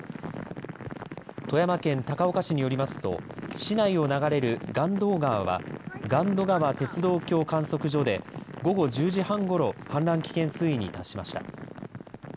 富山県高岡市によりますと市内を流れる岸渡川は岸渡川鉄道橋観測所で午後１０時半ごろ氾濫危険水位に達しました。